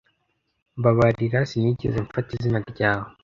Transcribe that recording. Mbabarira Sinigeze mfata izina ryawe